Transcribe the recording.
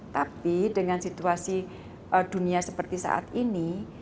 tapi dengan situasi dunia seperti saat ini